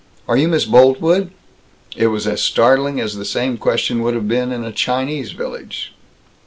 "Are you Miss Boltwood?" It was as startling as the same question would have been in a Chinese village.